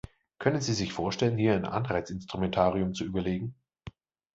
Können Sie sich vorstellen, hier ein Anreizinstrumentarium zu überlegen?